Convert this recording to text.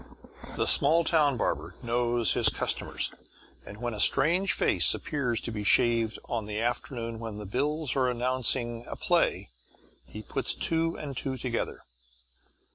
The small town barber knows his customers and when a strange face appears to be shaved on the afternoon when the bills are announcing a play, he puts two and two together.